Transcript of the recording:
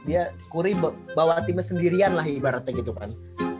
dia kuri bawa timnya sendirian lah ibaratnya gitu kan